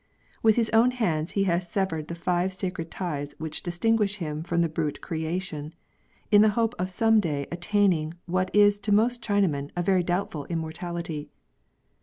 With his own hands he has severed the five sacred ties which distinguish him from the brute creation, in the hope of some day attaining what is to most China men a very doubtful immortality.